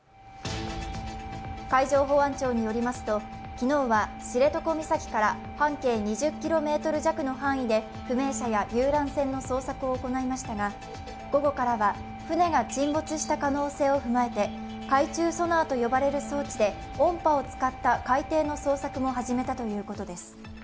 海上保安庁によりますと昨日は知床岬から半径２０ｋｍ弱の範囲で不明者や遊覧船の捜索を行いましたが、午後からは、船が沈没した可能性を踏まえて海中ソナーと呼ばれる装置で音波を使った海底の捜索も始めたということです。